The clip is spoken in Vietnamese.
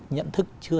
nhận thức chưa